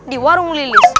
di warung lilis